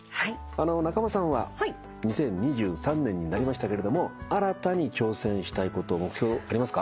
仲間さんは２０２３年になりましたけれども新たに挑戦したいこと目標ありますか？